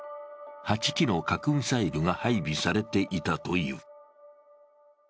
８基の核ミサイルが配備されていたという。